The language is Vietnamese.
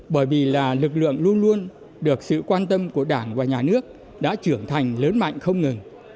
bởi vì là lực lượng luôn luôn được sự quan tâm của đảng và nhà nước đã trưởng thành lớn mạnh không ngừng